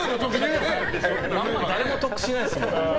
誰も得しないですよね。